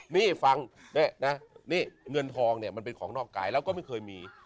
นี่ฟังงับถ์เงินพาลมันเป็นเงาของนอกกายเราก็ไม่เค้ามี